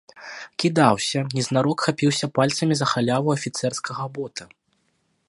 Кідаўся, незнарок хапіўся пальцамі за халяву афіцэрскага бота.